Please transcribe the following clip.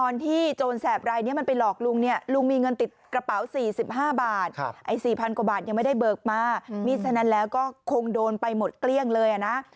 เงินติดกระเป๋า๔๕บาทไอ้๔๐๐๐กว่าบาทยังไม่ได้เบิกมามีฉะนั้นแล้วก็คงโดนไปหมดเกลี้ยงเลยนะ